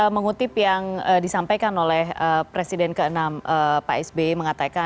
mengutip yang disampaikan oleh presiden ke enam pak sbi